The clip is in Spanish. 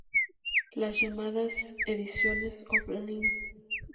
Las llamadas "ediciones off-line".